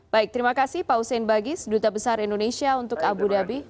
baik terima kasih pak hussein bagis duta besar indonesia untuk abu dhabi